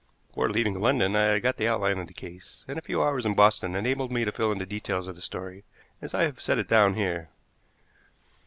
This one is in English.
Before leaving London I had got the outline of the case, and a few hours in Boston enabled me to fill in the details of the story as I have set it down here.